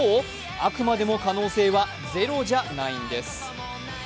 あくまでも可能性はゼロじゃないです。